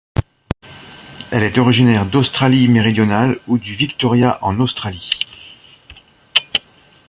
Elle est originaire d'Australie-Méridionale ou du Victoria en Australie.